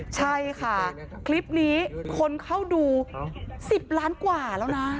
ใช่ค่ะคลิปนี้คนเข้าดู๑๐ล้านกว่าแล้วนะ